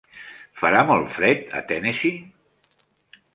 Farà molt fred a Tennessee?